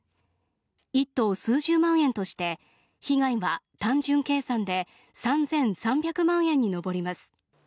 １頭数十万円として、被害は単純計算で３３００万円に上ります。